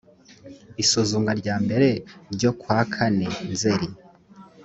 isuzumwa rya mbere ryo kwa kane nzeri